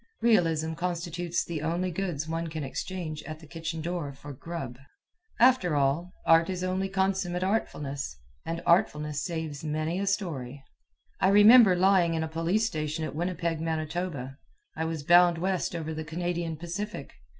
Realism constitutes the only goods one can exchange at the kitchen door for grub. After all, art is only consummate artfulness, and artfulness saves many a "story." I remember lying in a police station at Winnipeg, Manitoba. I was bound west over the Canadian Pacific.